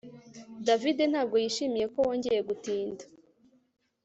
David ntabwo yishimiye ko wongeye gutinda